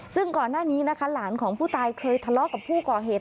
ซึ่งก่อนหน้านี้นะคะหลานของผู้ตายเคยทะเลาะกับผู้ก่อเหตุ